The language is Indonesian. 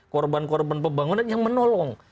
korban korban pembangunan yang menolong